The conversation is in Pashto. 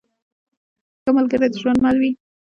ښه ملګری د ژوند مل وي.